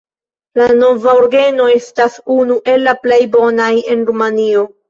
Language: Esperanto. La nova orgeno estas unu el la plej bonaj en Rumanio.